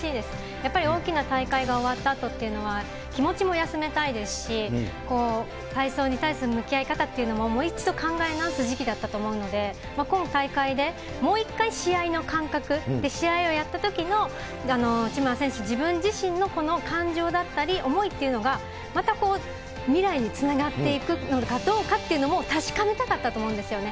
やっぱり大きな大会が終わったあとっていうのは、気持ちも休めたいですし、体操に対する向き合い方っていうのも、もう一度考え直す時期だったと思うので、今大会でもう一回試合の感覚、試合をやったときの内村選手、自分自身のこの感情だったり思いっていうのがまた未来につながっていくのかどうかっていうのも確かめたかったと思うんですよね。